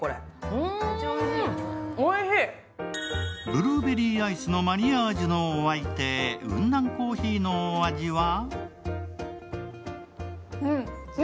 ブルーベリーアイスのマリアージュのお相手、雲南コーヒーのお味は？